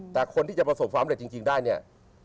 แต่คนที่จะประสบความเร็จจริงได้เนี่ย